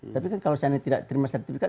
tapi kalau saya ini tidak terima sertifikat